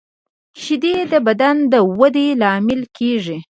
شیدې د بدن د ودې لامل کېږي